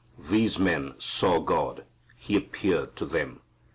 These men "saw" God. He "appeared" to them.